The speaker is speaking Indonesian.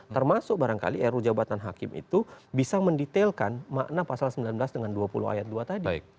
termasuk barangkali ru jabatan hakim itu bisa mendetailkan makna pasal sembilan belas dengan dua puluh ayat dua tadi